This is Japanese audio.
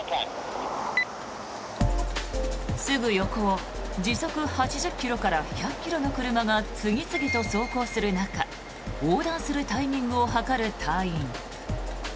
すぐ横を時速８０ｋｍから１００ｋｍの車が次々と走行する中横断するタイミングを計る隊員。